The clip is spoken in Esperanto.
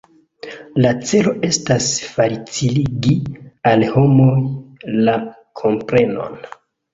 La celo estas faciligi al homoj la komprenon.